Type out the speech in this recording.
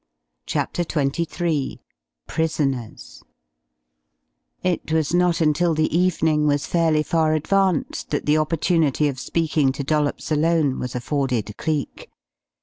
CHAPTER XXIII PRISONERS It was not until the evening was fairly far advanced that the opportunity of speaking to Dollops alone was afforded Cleek.